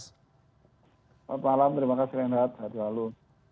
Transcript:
selamat malam terima kasih renhat sehat selalu